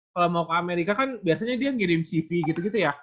kalau mau ke amerika kan biasanya dia ngirim cv gitu gitu ya